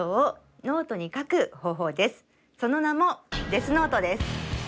その名も「デスノート」です。